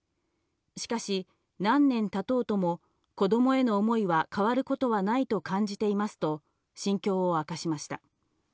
しかし、何年たとうとも、子どもへの思いは変わることはないと感じていますと、心境を明かしました。